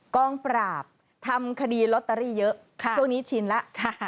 กองปราบทำคดีลอตเตอรี่เยอะช่วงนี้ชินแล้ว